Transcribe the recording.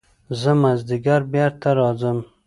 زه مازديګر بېرته راځم.